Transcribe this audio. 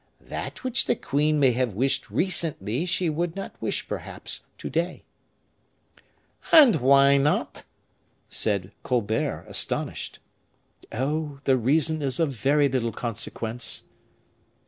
That which the queen may have wished recently, she would not wish, perhaps, to day." "And why not?" said Colbert, astonished. "Oh! the reason is of very little consequence."